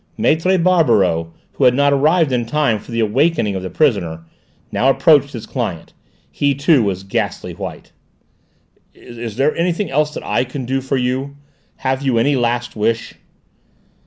Maître Barberoux, who had not arrived in time for the awakening of the prisoner, now approached his client; he, too, was ghastly white. "Is there anything else that I can do for you? Have you any last wish?"